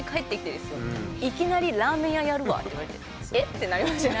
いきなり「ラーメン屋やるわ」って言われて「え？」ってなりますよね。